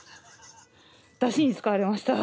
だしに使われました。